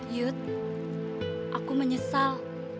yud aku menyesal